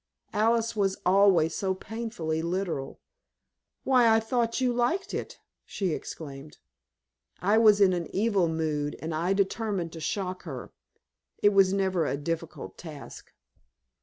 Alice was always so painfully literal. "Why, I thought that you liked it!" she exclaimed. I was in an evil mood, and I determined to shock her. It was never a difficult task.